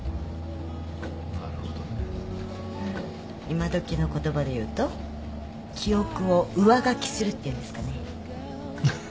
今どきの言葉で言うと記憶を上書きするって言うんですかね。